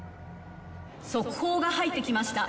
速報が入ってきました。